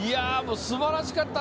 すばらしかった！